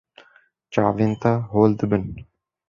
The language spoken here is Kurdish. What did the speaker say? Çavên te hol dibin.